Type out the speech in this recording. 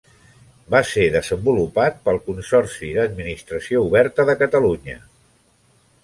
Va ser desenvolupat pel Consorci Administració Oberta de Catalunya.